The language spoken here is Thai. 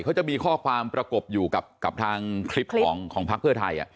เขาจะมีข้อความประกบอยู่กับทางคลิปของพักเพื่อไทย